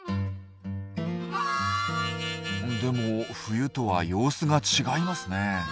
でも冬とは様子が違いますね。